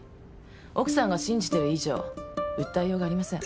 奥さんが信じてる以上訴えようがありません。